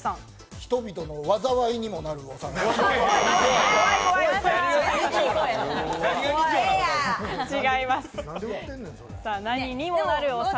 人々の災いにもなるお皿。